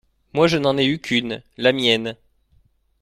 Moi, je n’en ai eu qu’une… la mienne…